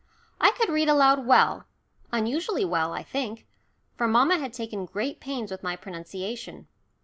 I could read aloud well, unusually well, I think, for mamma had taken great pains with my pronunciation.